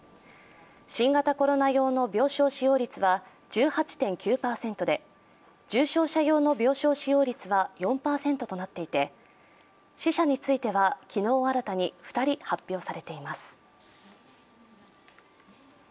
新型コロナ用の病床使用率は１８．９％で重症者用の病床使用率は４％となっていて死者については、昨日新たに２人発表されています。